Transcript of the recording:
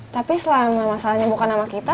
tapi selama masalahnya bukan sama kita